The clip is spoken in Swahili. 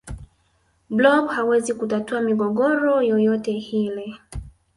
blob hawezi kutatua migogoro yoyote hile